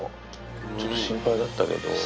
ちょっと心配だったけど。